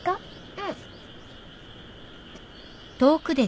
うん。